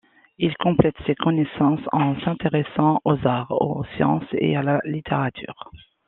Il complète ses connaissances en s'intéressant aux arts, aux sciences et à la littérature.